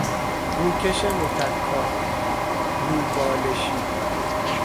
روکش متکا، روبالشی